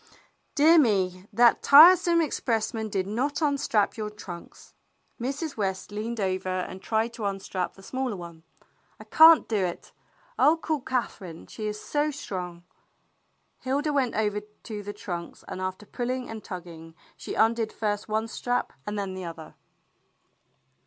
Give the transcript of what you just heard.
"Dear me, that tiresome expressman did not un strap your trunks." Mrs. West leaned over and tried THE BLUE AUNT COMES 15 to unstrap the smaller one. "I can't do it. I'll call Catherine; she is so strong." Hilda went over to the trunks and after pulling and tugging she undid first one strap and then the other.